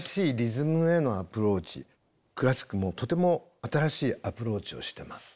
クラシックもとても新しいアプローチをしてます。